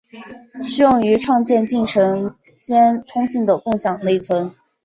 适用于创建进程间通信的共享内存。